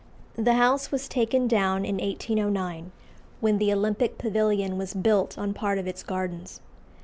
The house was taken down in 1809, when the Olympic Pavilion was built on part of its gardens.